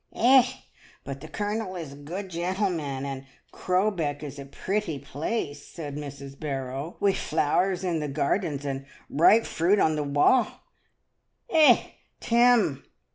"Eh! but the Colonel is a good gentleman and Crowbeck is a pretty place," says Mrs. Barrow, "wi' flowers in the gardens and ripe fruit on the wa'. Eh! Tim!"